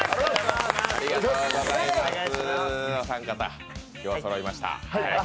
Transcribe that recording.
お三方、よくそろいました。